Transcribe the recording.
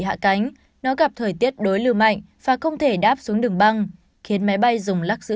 hạ cánh nó gặp thời tiết đối lưu mạnh và không thể đáp xuống đường băng khiến máy bay dùng lắc giữ